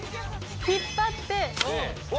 引っ張って。